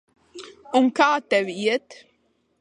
Un kā tev iet?